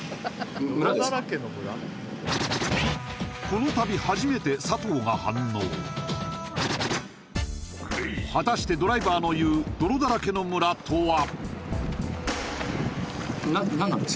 この旅初めて佐藤が反応果たしてドライバーの言う泥だらけの村とは？